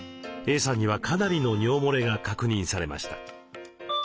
Ａさんにはかなりの尿もれが確認されました。